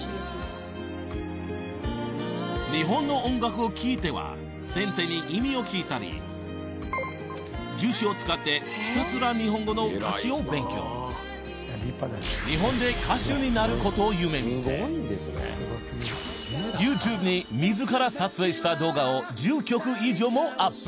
日本の音楽を聴いては先生に意味を聞いたり辞書を使ってひたすらことを夢見て ＹｏｕＴｕｂｅ に自ら撮影した動画を１０曲以上もアップ